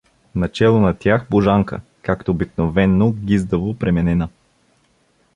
Начело на тях Божанка, както обикновено, гиздаво пременена.